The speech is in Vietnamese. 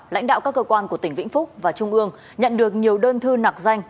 lãnh đạo các cơ quan của tỉnh vĩnh phúc và trung ương nhận được nhiều đơn thư nạc danh